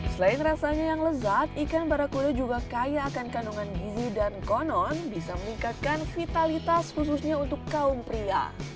selain rasanya yang lezat ikan barakule juga kaya akan kandungan gizi dan konon bisa meningkatkan vitalitas khususnya untuk kaum pria